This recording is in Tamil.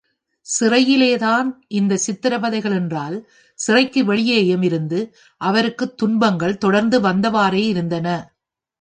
சிறையிலேதான் இந்த சித்ரவதைகள் என்றால், சிறைக்கு வெளியேயும் இருந்து அவருக்குத் துன்பங்கள் தொடர்ந்து வந்தவாறே இருந்தன.